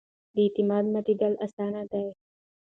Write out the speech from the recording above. د اعتماد ماتېدل اسانه دي